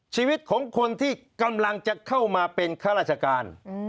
ชีวิตของคนที่กำลังจะเข้ามาเป็นข้าราชการ